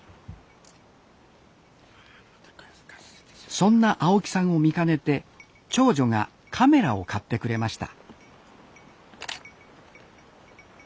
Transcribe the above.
そんな青木さんを見かねて長女がカメラを買ってくれました